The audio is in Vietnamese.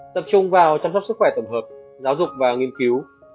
tập trung vào chăm sóc sức khỏe tổng hợp giáo dục và nghiên cứu